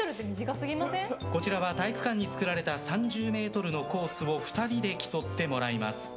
こちらは体育館に作られた３０ｍのコースを２人で競ってもらいます。